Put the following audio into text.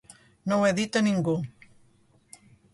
No ho he dit a ningú.